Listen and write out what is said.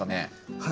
はい。